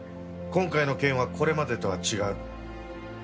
今回の件はこれまでとは違う。